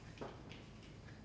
tentang apa yang terjadi